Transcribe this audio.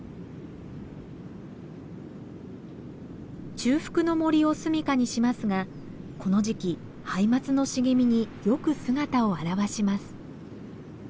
中腹の森を住みかにしますがこの時期ハイマツの茂みによく姿を現します。